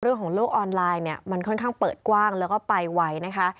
โลกออนไลน์เนี่ยมันค่อนข้างเปิดกว้างแล้วก็ไปไวนะคะ